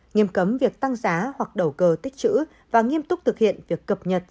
nghiêm cấm việc tăng giá hoặc đầu cơ tích chữ và nghiêm túc thực hiện việc cập nhật